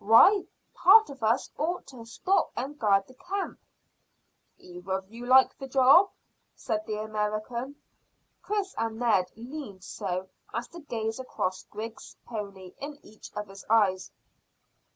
Why, part of us ought to stop and guard the camp." "Either of you like the job?" said the American. Chris and Ned leaned so as to gaze across Griggs' pony in each other's eyes.